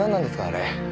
あれ。